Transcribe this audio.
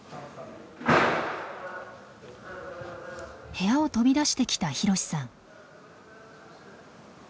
部屋を飛び出してきたひろしさん。